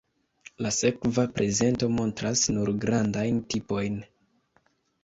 La sekva prezento montras nur grandajn tipojn.